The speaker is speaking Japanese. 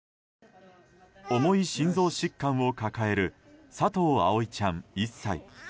重い心臓疾患を抱える佐藤葵ちゃん、１歳。